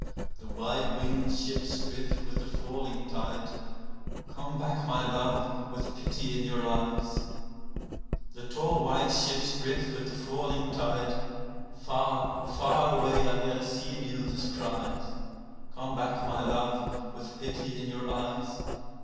The white winged ships drift with the falling tide, Come back, my love, with pity in your eyes ! The tall white ships drift with the falling tide. (Far, far away I hear the seamews' cries.) Come back, my love, with pity in your eyes